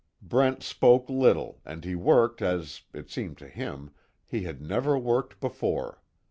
Brent spoke little and he worked as, it seemed to him, he had never worked before.